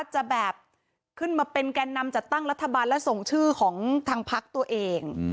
จะแบบขึ้นมาเป็นแก่นำจัดตั้งรัฐบาลและส่งชื่อของทางพักตัวเอง